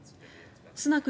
スナク